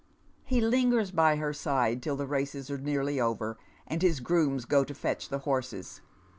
He lingers by her side till the races are nearly over, and his grooms go to fetch the horses.